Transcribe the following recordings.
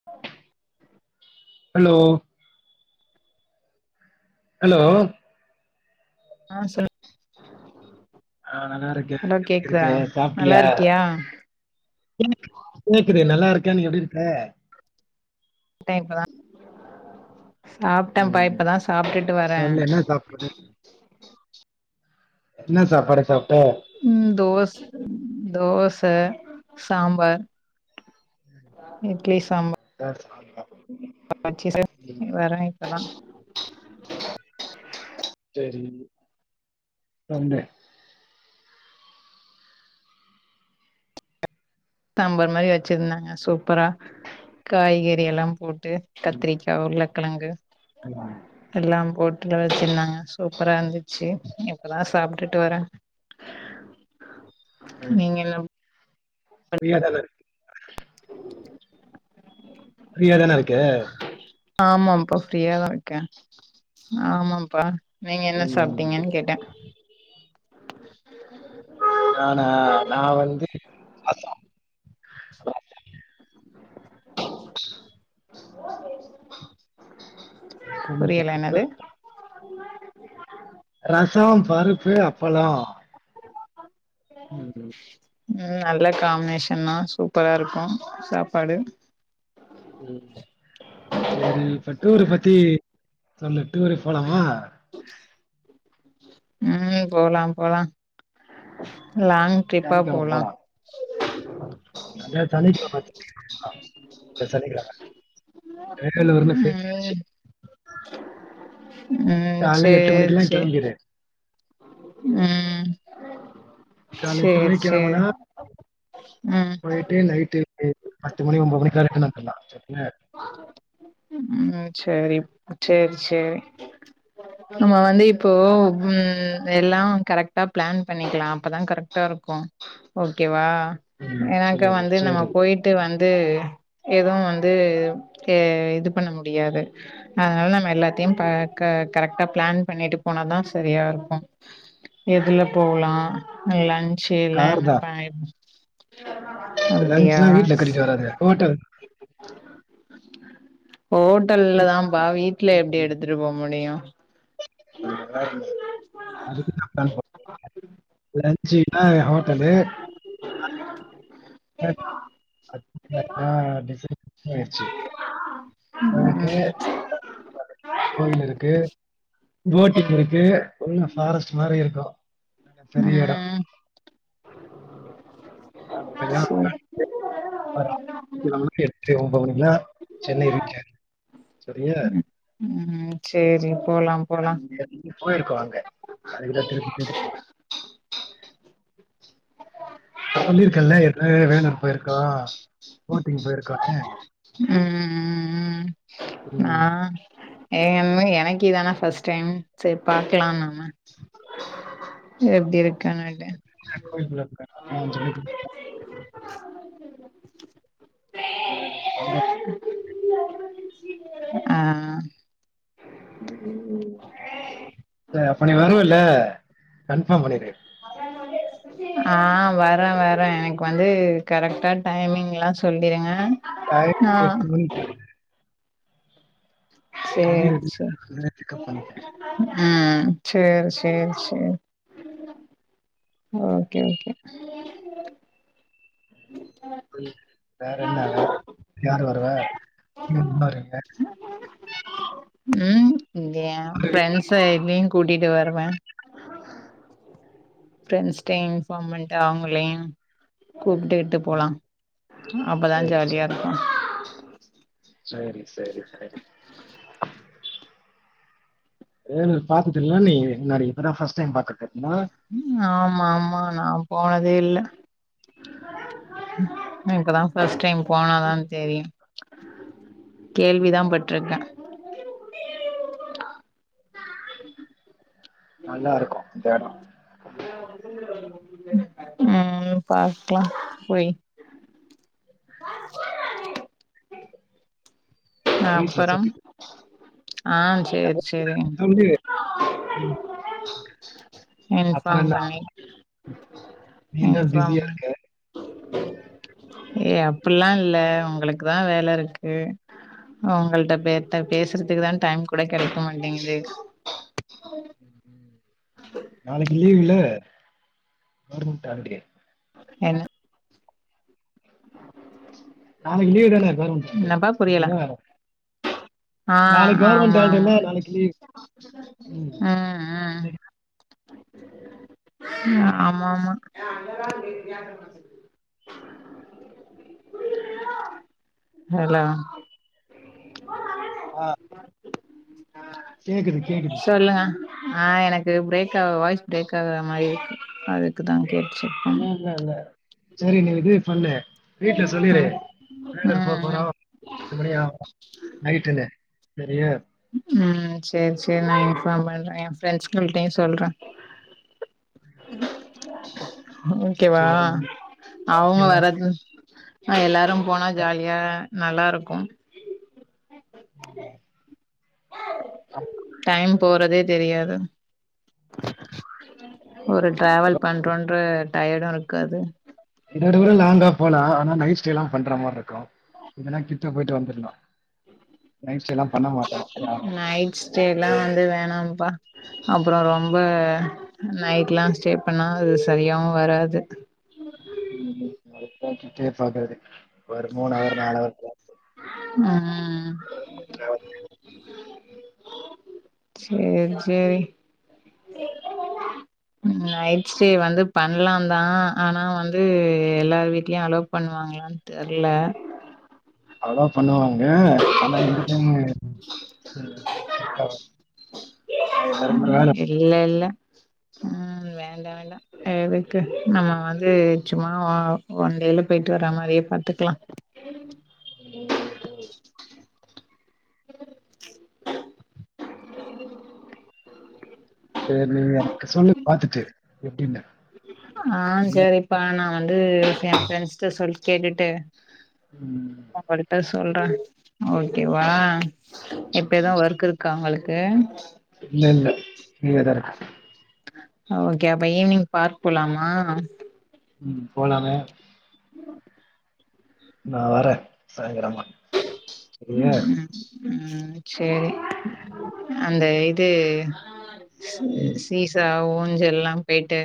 [inaudible] Hello hello ஆ சொல்லு ஆ நல்லா இருக்கே ஹலோ எப்டி இருக்க கேக்குதா நல்லா இருக்கியா கேக்கு கேக்குது நல்லா இருக்கே நீ எப்டி இருக்க ப்ட்டே இப்பதா சாப்ட்டேப்பா ம் இப்பதா சாப்ட்டுட்டு வரே சொல்லு என்ன சாப்பாடு என்ன சாப்பாடு சாப்ட்ட ம் தோச் தோச சாம்பார் இட்லி சாம்பா இப்ப தா சாப்ட்டோ [inaudible] வரா இப்பதா சேரி சண்டே டாம்பார் மாரி வச்சுருந்தாங்க சூப்பரா காய்கறி எல்லா போட் டு ம் கத்ரிக்கா உருளக்கெழங்கு ம் எல்லா போட்டு தா வச்சுருந்தாங்க சூப்பரா இருந்துச்சு இப்போ தா சாப்ட்டுட்டு வரே ம் நீங்க என்ன பிள்ள கலரு ஃப்ரீயா தானே இருக்க ஆமாம்பா ஃப்ரீயாதா இருக்கே ஆமாம்பா நீங்க என்ன சாப் ம் டீங்கனு கேட்டே நானா நா வந்து ஒன்னு புரியல பத்துகே [inaudible] ரசோ பருப்பு அப்பளோ ம் ம் ம் நல்ல காம்னேஷன்னா சூப்பரா இருக்கு சாப்பாடு ம் சேரி இப்ப டூரு பத்தி சொல்லு டூரு போலாமா ம் போலா போலா லாங் ட்ரிப்பா போலா அதே தானே போட்டு வச்சுருந்தாங்க இந்த சனிக்கிழம வேலூர்னு ம் பேசியாச்சு ம் கால்ல எட்டு சேர் மணிக்குல்லா சேர் கெளம்பிரு ம் கால எட்டு சேரி மணிக்கு சேரி கெளம்புனா ம் போய்ட்டு நைட்டு பத்து மணி ஒம்பது மணிக்குல ரிட்டன் வந்துர்லா சட்னு ம் சேரி சேரி சேரி நம்ம வந்து இப் இப்போ ஹும் எல்லா கரெக்ட்டா ப்ளான் பண்ணிக்கலா அப்பதா கரெக்ட்டா இருக்கு ஓகேவா ம் எனக்கு சேரி வந்து நம்ம சேரி பொயிட் ட்டு வந்து எதுவு வந்து எ இது பண்ண முடியாது அதுனால நம்ம எல்லாத்தையு பா க்க கரெக்ட்டா ப்ளான் பண்ணிட்டு போனா தா சரியா இருக்கு எதுல போவலா லஞ்ச் எல்லா கார்தா என்னப் பண்ணிட் லஞ்ன்சுலா வீட்ல கட்டிட்டு வராதே ஹோட்டல் ஹோட்டல்ல தான்பா வீட்ல எப்டி எடுத்துட்டு போ முடியு [unintelligible] லஞ்ன்சுனா அ ஹோட்டலு [unintelligible] ஆயிர்ச்சு ஆ அதுக்கு கோயில் இருக்கு போட்டிங் இருக்கு உள்ள ஃபாரஸ்ட் மாரி இருக்கு பெரிய எடோ அங்கலாம் சேரி ஒரு [unintelligible] எட்டு ஒம்பது மணிக்குல்லா சென்னை ரீட்ச் ஆயிடு சரியா ம் ம் சேரி போலாம் போலாம் போயிருக்கோ அங்க அதுக்கு தா திருப்பி திருப்பி போறோ சொல்லிருக்கெல்ல எடு வே வேலூர் போயிருக்கா போட்டிங் போயிருக்கானு ம் ம் ம் ம் புரியும் ஏ அம்மு எனக்கே இதானே ஃபர்ஸ்ட் டைம் செரி பாக்கலான்னானா எப்டி இருக்கானான்ட்டு கோயிலுகுள்ள உக்காரனு இல்லனா அஞ்சு மணிக்கு மேல தா தே வேற‌ அங்க ஆ செ அப்ப நீ வருவல்ல கன்ஃபார்ம் பண்ணிரு மதியானத் தோடே இருக்கு ஆ வரே வரே எனக்கு வந்து கரெக்ட்டா டைமிங்லா சொல்லிருங்க டைம் ஆ எட்டு‌மணிக்கா எட்டு மணிக்கு சேரி ரெடியா இரு சேரி நா வந்தோன பிக்கப் பண்ணிக்கிறே ம் சேரி சேரி சேரி ஓகே ஓகே புரில வேற என்னவ யார் வருவா நீ எப்ப வருவ ம் இது ஏ ப்ரெண்ட்ஸ் எப்டியு கூட்டிட்டு வருவே ப்ரெண்ட்ஸ்ட இன்பார்ம் பண்ட்டு அவுங்களையும் கூப்ட்டுட் ட்டு ம். போலா அப்பதா சரி, ஜாலியா சரி. இருக்கும் சரி சரி சரி ஏ நீ பாத்ததில்ல நீ முன்னாடி இப்பதா பர்ஸ்ட் டைம் பாத்துட்ருக்குமா ம் ஆமா ஆமா நா போனதே இல்ல ம் இப்பதா ஃபஸ்ட் டைம் போனாதா தெரியு கேள்வி தா பட்ருக்கே நல்லா இருக்கும் அந்த எடம் ம் பாத்க்லா போய் வீட்ல அப்பறம் சொல்லி ஆ சேரி சேரி சொல்லு. ஆ அப்பறன்னா இன்பமாய் பண் ஏ அப் அப்பில்லாம் இல்ல உங்களுக்கு தா வேல இருக்கு உங்கள்ட்ட‌ பே பேசுறதுக்கு தான் டைம் கூட கெடைக்க மாட்டேங்குது நாளைக்கு லீவ் இல்ல கவர்மெண்ட் ஹாலிடே என்ன நாளைக்கு லீவ் தானே கெவர்மெண்ட் ஹாலிடே என்னப்பா புரியல என்ன வேல ஆ ஆம்மா ஹாலிடே ஆம்மா இல்ல, நாளைக்கு லீவ். ம் ம் இன்னைக்கு ம் ஆமா ஆமா ஹலோ ஆ அ கேக்குது கேக்குது சொல்லுங்க ஆ எனக்கு பிரேக் ஆகுது வாய்ஸ் பிரேக் ஆகுற மாதிரி இருக்கு அது க்கு தா கேட்டு செக் இல்ல, பண்ணே இல்ல இல்ல சேரி நீ இது பண்ணு வீட்ல சொல்லிரு ம் வேல இருக்கு போறோ ம் பத்து மணி ஆகும் நைட்டுனு சரியா ம் செரி செரி நா இன்ஃபார்ம் பண்றே எ ஃப்ரெண்ட்ஸ்கள்டயு சொல்றே ஓகேவா சரி. ஓகே, அவங்க ஓகே. வரது அ எல்லாரு போனா ஜாலியா நல்லா இருக்கும் டைம் போறதே தெரியாது ஒரு டிராவல் பண்றோன்ற டயடு இருக்காது இதவிட லாங்கா போலா ஆனா நைட்ஸ்டேல்லா பண்ற மாதிரி இருக்கும் இங்கனா கிட்ட போயிட்டு வந்துரலாம் நைட் ஸ்டேலா பண்ண மாட் நைட் ஸ்டேல்லாம் வந்து வேணாம்ப்பா அப்புறம் ரொம்ப நைட்லா ஸ்டே பண்ணா அது சரியாவு வராது ம் ம் உக்காந்துட்டே பாக்றது ஒரு மூனு அவர் நாலு அவர் தா ம் அ சேர் சேரி ம் [inaudible] ஸ்டே வந்து பண்லாம் தா ஆனா வந்து எல்லார் வீட்லயு அலோ பண்ணுவாங்களான் தெர்ல அவ்ளோ பண்ணுவாங்க ஆனா இங்கிட்ருந்து இல்ல இல்ல ம் வேண்டா வேண்டா எதுக்கு நம்ம வந்து சும்மா ஒன் டே ல போய்ட்டு வர்ற மாரியே பாத்துக்லா சேரி நீ எனக்கு சொல்லு பாத்துட்டு எப்டின்னு ஆ சேரிப்பா நா வந்து எ ஃப்ரெண்ஸ்ட்ட சொல்லி கேட்டுட்டு ம் அவள்ட்ட சொல்றே ஓகேவா இப்ப எதா ஒர்க் இருக்கா ஒங்களுக்கு இல்லெல்ல ஃப்ரீயா தாருக்கே ஆ ஓகே அப்ப ஈவ்னிங் பார்க் போலாமா ம் போலாமே நா வரே சாய்ங்காலமா ம் ம் சேரி உம் அந்த இது ம் சீஸா ஊஞ்செல்லா போய்ட்டு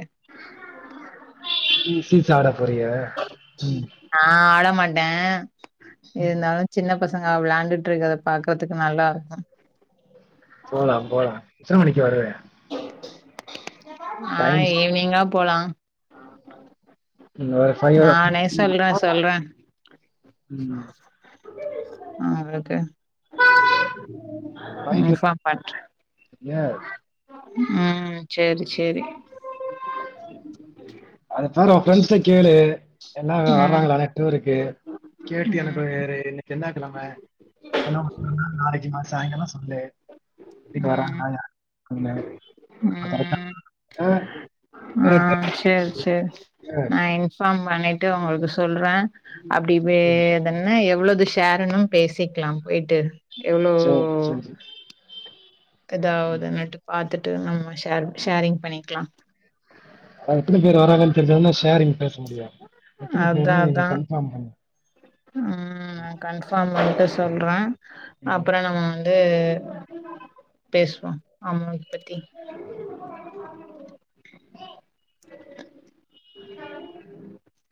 நீ சீஸா ஆட போறியா ம் நா ஆட மாட்டே ம் இருந்தாலு சின்ன பசங்க விளாண்டுட்ருக்கறத பாக்கற்துக்கு நல்லாருக்கு போலா போலா எத்தன மணிக்கி வருவ நா டைம் ஈவ்னிங்கா போலா [unintelligible] சாய்ங்காலோ நானே அஞ்சு [inaudible] ஆ இருக்கு பைக்கில் இன்ஃபார்ம் பண்ட்டு சரியா ம் சேரி சேரி அடுத்த வாரோ ஒ ஃப்ரெண்ட்ஸ்ட்ட கேளு எல்லா ம் வர்றாங்களானு டூருக்கு கேட்டு ம் எனக்கு இன்னக்கி என்னா கெழம [unintelligible] நாளக்கினா சாய்ங்காலோ சொல்லு ங்க ம் வராங்னாங்க [inaudible] ம் [inaudible] சேர் நா இன்ஃபார்ம் பண்ணிட்டு ஒங்களுக்கு சொல்றே அப்டி பே எதன் னா எவ்ளோது ஷேர்னுன் பேசிக்லா போய்ட்டு எவ்ளோ சரி சரி எதாவ்துனுட்டு பாத்துட்டு நம்ம ஷேர் ஷேரிங் பண்ணிக்லா அவுங்க எத்தினி பேர் வராங்கன் தெரிஞ்சா தான ஷேரிங் பேச முடியு எத்தினி அதா பேருன் நீங்க அதா கன்ஃபார்ம் பண்ணுங்க ம் நா கன்ஃபார்ம் பண்ட்டு சொல்றே ம் அப்றோ நம்ம ந்து பேசுவோ அமௌண்ட் பத்தி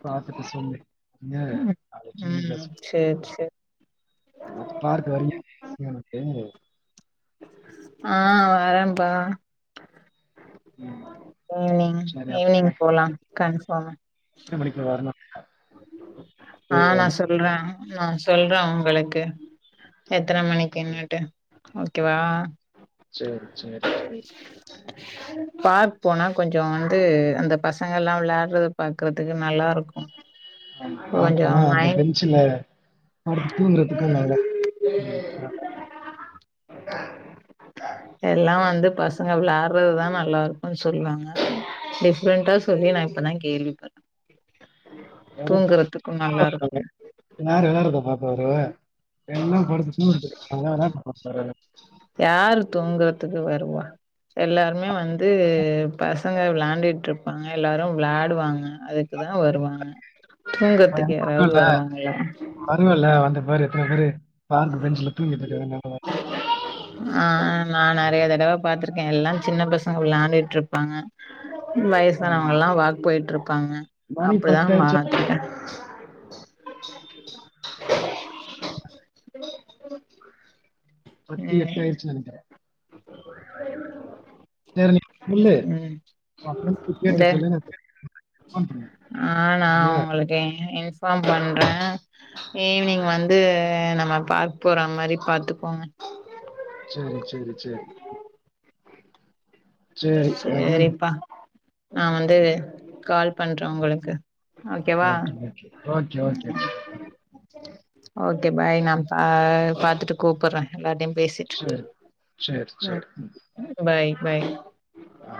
பாத்துட்டு சொல்லு இங்க ம் ம் சேர் சேர் பார்க்கு வரியா ஈசி யா ஒனக்கு ஆ வரேன்ப்பா ம் ஈவ்னிங் சரி ஈவ்னிங் போலா கன்ஃபார்ம் எத்தன மணிக்கி வர்னு ஆ நா சொல்றே நா சொல்றே உங்களுக்கு எத்தன ம், சரி மணிக்கின்னுட்டு ஓகேவா செர் செர் செரி பார்க் போனா கொஞ்சோ வந்து அந்த பசங்கல்லா விளாடுறது பாக்குறதுக்கு நல்லாருக்கு பார்க் போனா அந்த பெஞ்சுல படுத்தூங்குறதுக்கு நல்லாருக்கு ஆஹ் எல்லா வந்து பசங்க வெளாடுறதுதா நல்லா இருக்குனு சொல்வாங்க டிஃப்ரெண்டா சொல்லி நா இப்பதா கேள்விப்படுறே தூங்குறதுக்கு மா [unintelligible] கொஞ்ச நேர வியாபாரத்த பாப்பாரு எல்லா படுத்து தூங்கனத்துக் பொறகு என்ன தா பண்ண போற யார் தூங்குறதுக்கு வருவா எல்லாருமே வந்து பசங்க விளாண்டுட் இருப்பாங்க எல்லாரு விளாடுவாங்க அது அப்பதா வருவான் ஆ எனக் ஒன்னுல்ல வருவல்ல வந்து பாரு எத்தன பேரு பார்க் பெஞ்ச்ல தூங்கிட்ருக்காங்கனு ஆ நா நெறைய தடவ பாத்திருக்கே எல்லா சின்ன பசங்க விளாண்ட்டுட்டு இருப்பாங்க ம், வய்சானவங்கல்லா வாக் போயிட்டுருப்பாங்க மணி அப்டிதா மா பத்தாயிருச்சா [inaudible] பத்து ம் எட்டாயிருச்சுனு நெனக்கிறே சரி நீ சொல்லு ம் கேட்டு இத கேட்டு சொல்லுங்க பண்ணுங்க ஆ நா சரியா உங்ளுக்கு இன்ஃபார்ம் பண்றே ஈவ்னிங் வந்து நம்ம பார்க் போற மாரி பாத்துக்கோங்க சேரி சேரி சேரி சரி சரிப்பா நா வந்து கால் பண்றே உங்ளுக்கு okay okay okay okay okay bye நா பா பாத்துட்டு கூப்பர்றே எல்லார்டயு பேசிட் சரி சரி சரி ம். பாய் பாய் ஆ